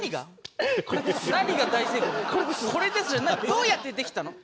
どうやってできたの？